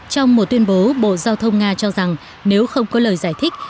trong một tuyên bố bộ giao thông nga cho rằng nếu không có lời giải thích